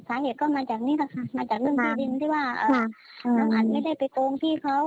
สาเหตุก็มาจากนี่แหละค่ะมาจากเรื่องที่ดินที่ว่านผันไม่ได้ไปโกงพี่เขา